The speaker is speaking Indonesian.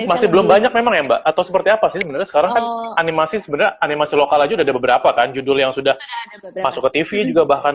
masih belum banyak memang ya mbak atau seperti apa sih sebenarnya sekarang kan animasi sebenarnya animasi lokal aja udah ada beberapa kan judul yang sudah masuk ke tv juga bahkan